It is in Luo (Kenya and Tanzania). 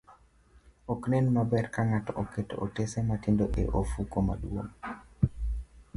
Ok nen maber ka ng'ato oketo otese matindo e ofuko maduong',